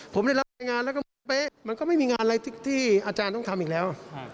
ผมได้รับรายงานแล้วก็เป๊ะมันก็ไม่มีงานอะไรที่อาจารย์ต้องทำอีกแล้ว